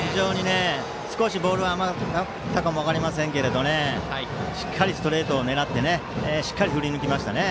少しボールが甘かったかもしれませんがしっかりストレートを狙ってしっかり振りぬきましたね。